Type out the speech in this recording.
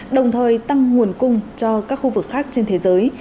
đồng thời tăng nguồn cung cho các khu vực khác trên thế giới